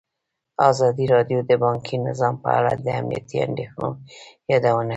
ازادي راډیو د بانکي نظام په اړه د امنیتي اندېښنو یادونه کړې.